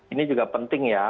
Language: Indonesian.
ini juga penting ya